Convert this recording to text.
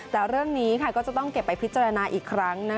แต่เรื่องนี้ก็จะต้องเก็บไปพิจารณาอีกครั้ง